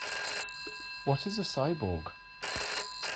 What is a cyborg?